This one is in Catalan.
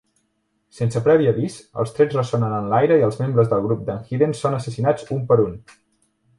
Sense previ avís, els trets ressonen en l'aire i els membres del grup d'en Hiden són assassinats un per un.